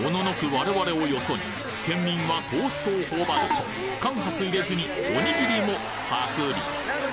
我々をよそに県民はトーストを頬張ると間髪入れずにおにぎりもパクリ